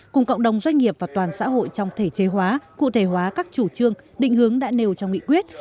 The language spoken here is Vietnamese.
cùng cộng đồng doanh nghiệp và toàn xã hội trong thể chế hóa cụ thể hóa các chủ trương định hướng đã nêu trong nghị quyết